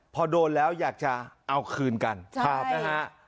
พอโดนแล้วอยากจะเอาคืนกันนะฮะ